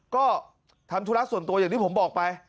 ก็ทำธุระส่วนตัวอย่างที่ผมบอกไป